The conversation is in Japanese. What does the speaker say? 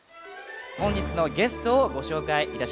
本日のゲストをご紹介いたします。